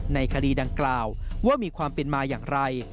ในคดีดังกล่าวว่ามีความเป็นมาอย่างไร